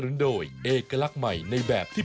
ไม่เข็ดก็อย่าเข็ดไม่เข็ดก็ไม่ผิด